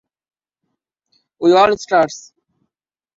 Wa All Stars